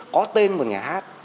có tên một nhà hát